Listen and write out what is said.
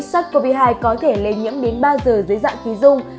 sars cov hai có thể lây nhiễm đến ba giờ dưới dạng khí dung